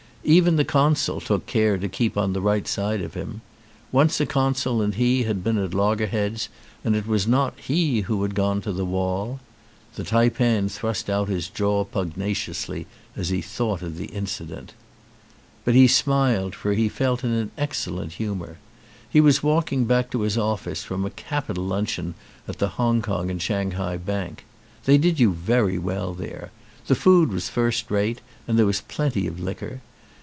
Even the consul took care to keep on the right side of him. Once a consul and he had been at loggerheads and it was not he who had gone to the wall. The taipan thrust out his jaw pugnaciously as he thought of the incident. But he smiled, for he felt in an excellent hu mour. He was walking back to his office from a capital luncheon at the Hong Kong and Shanghai Bank. They did you very well there. The food was first rate and there was plenty of liquor.